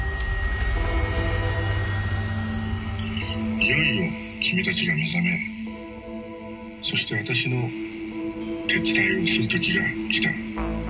いよいよ君たちが目覚めそして私の手伝いをする時が来た。